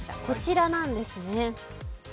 こちらなんですね。